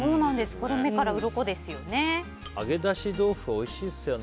これ、目からうろこですよね。